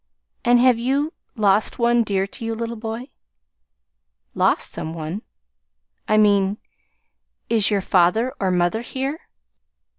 "And have you lost one dear to you, little boy?" "Lost some one?" "I mean is your father or mother here?"